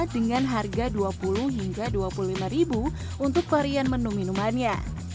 dengan harga dua puluh hingga rp dua puluh lima untuk varian menu minumannya